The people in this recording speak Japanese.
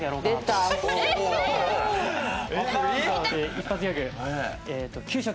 一発ギャグ「給食」。